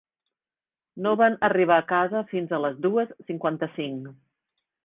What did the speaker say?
No van arribar a casa fins a les dues cinquanta-cinc.